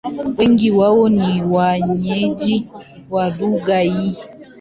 Wengi wao ni wenyeji wa lugha hii.